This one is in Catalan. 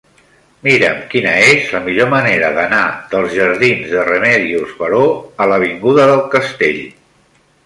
Mira'm quina és la millor manera d'anar dels jardins de Remedios Varó a l'avinguda del Castell.